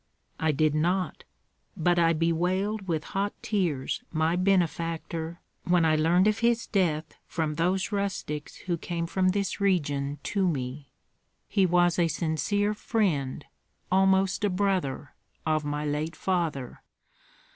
"I did not; but I bewailed with hot tears my benefactor when I learned of his death from those rustics who came from this region to me. He was a sincere friend, almost a brother, of my late father.